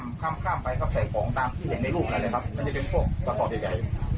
มันจะเป็นพวกกระสอบใหญ่